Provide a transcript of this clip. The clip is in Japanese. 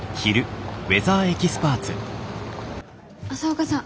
朝岡さん。